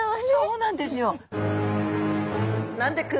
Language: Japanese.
そうなんですよ。